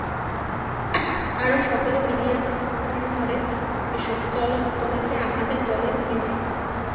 আরও সকলে মিলিয়া তাহাকে ধরে- এসো, চলো তোমাকে আমাদের দলে নিয়ে যাই।